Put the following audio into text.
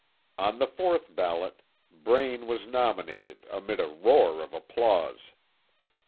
On the fourth ballot, Braine was nominated amid a roar of applause.